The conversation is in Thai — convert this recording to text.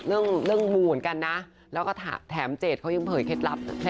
เรื่องเรื่องมูเหมือนกันนะแล้วก็แถมเจดเขายังเผยเคล็ดลับ